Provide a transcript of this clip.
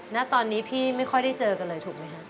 ณตอนนี้พี่ไม่ค่อยได้เจอกันเลยถูกไหมคะ